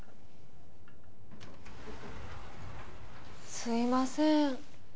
すいません。